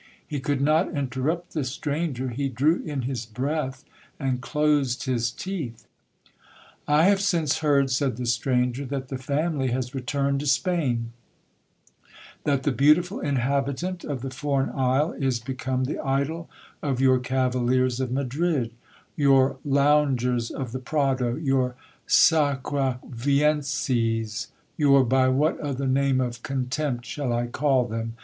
He could not interrupt the stranger—he drew in his breath, and closed his teeth. 'I have since heard,' said the stranger, 'that the family has returned to Spain,—that the beautiful inhabitant of the foreign isle is become the idol of your cavaliers of Madrid,—your loungers of the Prado,—your sacravienses,—your—by what other name of contempt shall I call them?